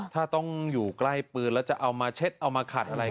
ถ้าต้องอยู่ใกล้ปืนแล้วจะเอามาเช็ดเอามาขัดอะไร